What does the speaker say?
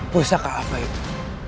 pusaka apa itu